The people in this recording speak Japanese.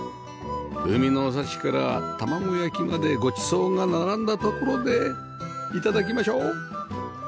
海の幸から卵焼きまでごちそうが並んだところで頂きましょう